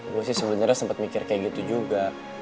gue sih sebenernya sempet mikir kayak gitu juga